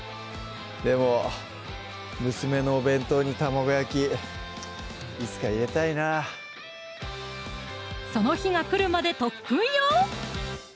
でも娘のお弁当に卵焼きいつか入れたいなその日が来るまで特訓よ！